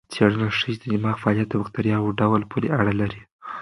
څېړنه ښيي چې د دماغ فعالیت د بکتریاوو ډول پورې اړه لري.